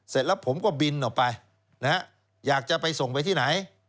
เสร็จแล้วผมก็บินออกไปนะฮะอยากจะไปส่งไปที่ไหน